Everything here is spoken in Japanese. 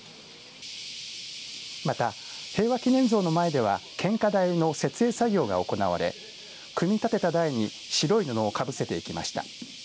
また平和祈念像の前では献花台の設営作業が行われ組み立てた台に白い布をかぶせていきました。